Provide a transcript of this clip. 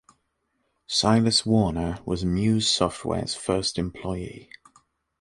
Silas Warner was Muse Software's first employee.